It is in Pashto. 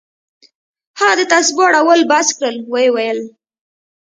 هغه د تسبو اړول بس كړل ويې ويل.